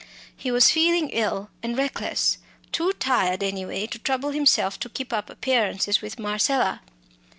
He was feeling ill and reckless; too tired anyway to trouble himself to keep up appearances with Marcella.